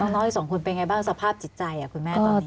น้องอีก๒คนเป็นไงบ้างสภาพจิตใจคุณแม่ตอนนี้